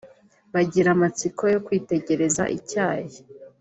bagira amatsiko yo kwitegereza icyayi